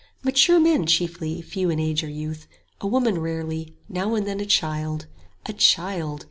Mature men chiefly, few in age or youth, A woman rarely, now and then a child: A child!